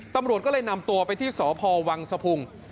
ตำรวจก็เลยนำตัวไปที่สพวังสะพุง